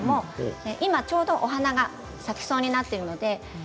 今、ちょうどお花が咲きそうになっています。